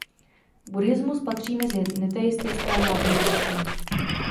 Buddhismus patří mezi neteistická náboženství.